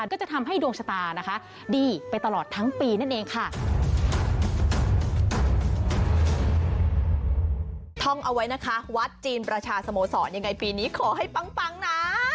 เพื่อเป็นการเสริมดวงชะตาก็จะทำให้ดวงชะตาดีไปตลอดทั้งปีนั่นเองค่ะ